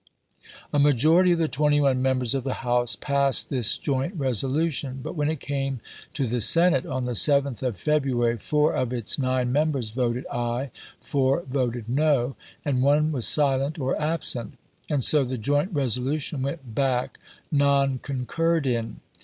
A majority of the twenty one members of the House passed this joint resolution; but when it came to the Senate, on the 7th of February, four of its nine members voted "aye," four voted "no," and one was silent or absent; and so the joint resolution went back "non concurred in."